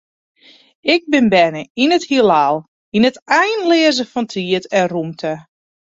Ik bin berne yn it Hielal, yn it einleaze fan tiid en rûmte.